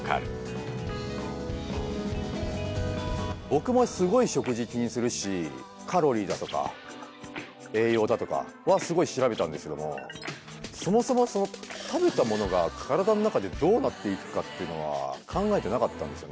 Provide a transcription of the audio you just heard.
僕もすごい食事気にするしカロリーだとか栄養だとかはすごい調べたんですけどもそもそも食べたものが体の中でどうなっていくかっていうのは考えてなかったんですよね。